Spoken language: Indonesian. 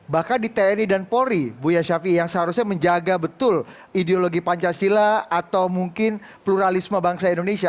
bahkan di tni dan polri buya ⁇ shafii ⁇ yang seharusnya menjaga betul ideologi pancasila atau mungkin pluralisme bangsa indonesia